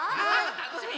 たのしみ！